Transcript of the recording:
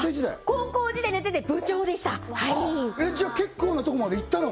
高校時代やってて部長でしたじゃ結構なとこまでいったのか？